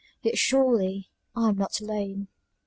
Yet surely, I am not alone!"